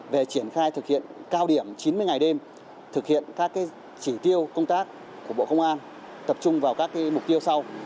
về triển khai thực hiện cao điểm chín mươi ngày đêm thực hiện các chỉ tiêu công tác của bộ công an tập trung vào các mục tiêu sau